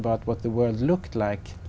một hợp lý hợp lý